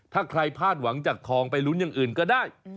ถ้าใครพลาดหวังจากทองไปลุ้นอย่างอื่นก็ได้